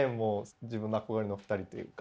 自分の憧れの２人というか。